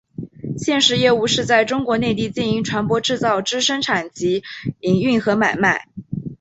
现时业务是在中国内地经营船舶制造之生产及营运和买卖。